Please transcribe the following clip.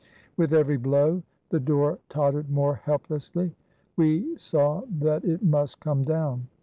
With every blow, the door tottered more helplessly. We saw that it must come down.